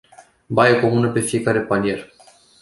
Baie comună pe fiecare palier.